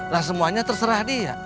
lah semuanya terserah dia